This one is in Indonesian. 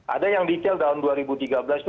ada yang detail tahun dua ribu tiga belas itu